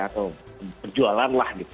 atau perjualan lah gitu